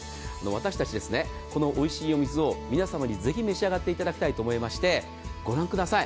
私たち、このおいしいお水を皆様にぜひ召し上がっていただきたいと思いましてご覧ください。